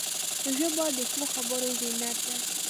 ژبه د ښو خبرو زینت ده